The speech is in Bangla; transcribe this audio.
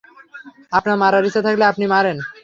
আপনার মারার ইচ্ছা থাকলে আপনি মারেন।